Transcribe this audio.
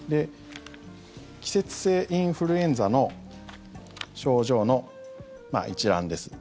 季節性インフルエンザの症状の一覧です。